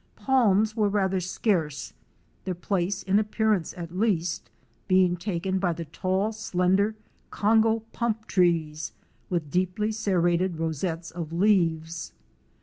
Palms were rather scarce, their place, in appearance at least, being taken by the tall, slender Congo pump trees with deeply serrated rosettes of leaves.